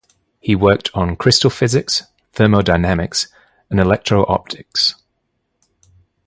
He worked on crystal physics, thermodynamics and electro-optics.